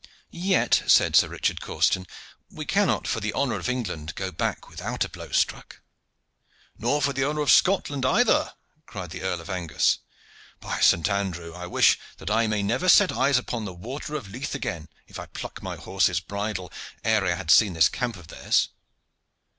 "Yet," said Sir Richard Causton, "we cannot for the honor of England go back without a blow struck." "Nor for the honor of Scotland either," cried the Earl of Angus. "By Saint Andrew! I wish that I may never set eyes upon the water of Leith again, if I pluck my horse's bridle ere I have seen this camp of theirs."